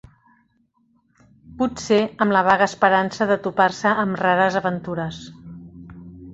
Potser amb la vaga esperança de topar-se amb rares aventures